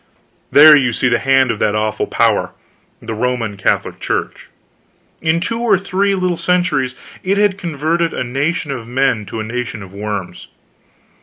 There you see the hand of that awful power, the Roman Catholic Church. In two or three little centuries it had converted a nation of men to a nation of worms.